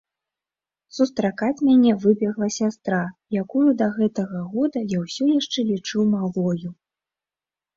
Сустракаць мяне выбегла сястра, якую да гэтага года я ўсё яшчэ лічыў малою.